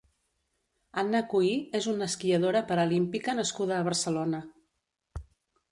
Anna Cohí és una esquiadora paralímpica nascuda a Barcelona.